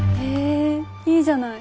いいじゃない。